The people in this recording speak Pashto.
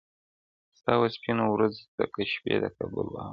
• ستا و سپینو ورځو ته که شپې د کابل واغوندم..